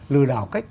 lừa đảo cách